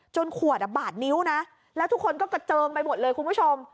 ขวดบาดนิ้วนะแล้วทุกคนก็กระเจิงไปหมดเลยคุณผู้ชม